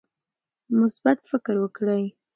مثبت فکر وکړئ.